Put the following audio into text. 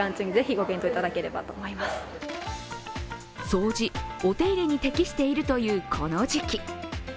掃除、お手入れに適しているというこの時期。